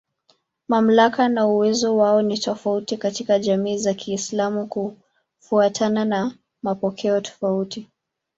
Mamlaka na uwezo wao ni tofauti katika jamii za Kiislamu kufuatana na mapokeo tofauti.